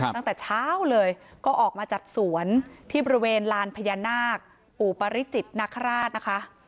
ตั้งแต่เช้าเลยก็ออกมาจัดสวนที่บริเวณลานพญานาคปู่ปริจิตนคราชนะคะ